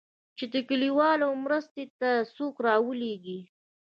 چې د كليوالو مرستې ته دې څوك راولېږي.